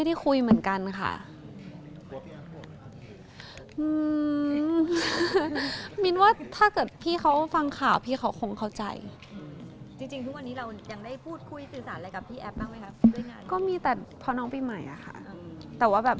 แต่กับเพื่อนในแกงได้คุยกันป่ะ